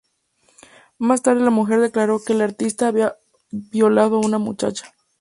Más tarde la mujer declaró que el artista había violado a una muchacha.